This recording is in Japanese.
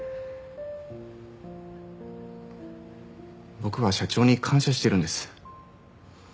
僕は社長に感謝してるんです。